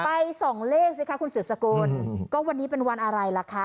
ไปส่องเลขสิคะคุณสืบสกุลก็วันนี้เป็นวันอะไรล่ะคะ